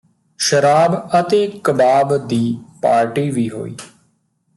ਸ਼ਰਾਬ ਅਤੇ ਕਬਾਬ ਦੀ ਪਾਰਟੀ ਵੀ ਹੋਈ